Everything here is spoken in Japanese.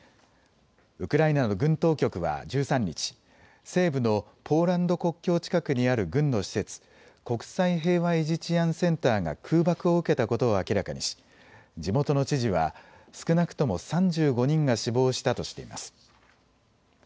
ウクライナの軍当局は１３日、西部のポーランド国境近くにある軍の施設、国際平和維持治安センターが空爆を受けたことを明らかにし地元の知事は少なくとも３５人が死亡したとしています。